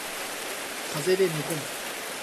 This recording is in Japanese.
風邪で寝込む